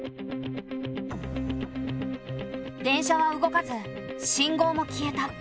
電車は動かず信号も消えた。